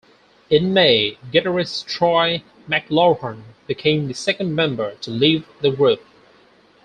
In May, guitarist Troy McLawhorn became the second member to leave the group.